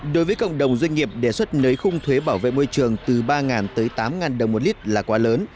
đối với cộng đồng doanh nghiệp đề xuất nới khung thuế bảo vệ môi trường từ ba tới tám đồng một lít là quá lớn